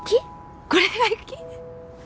これが雪？